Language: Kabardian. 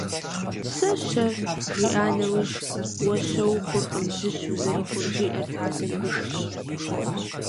«Сэ-щэ?» жиӏа нэужь «Уэ щэ ухъуркъым, зыщ узэрыхъур» жиӏэрт адэм гушыӏэурэ.